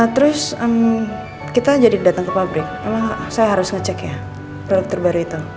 terus kita jadi datang ke pabrik memang saya harus ngecek ya produk terbaru itu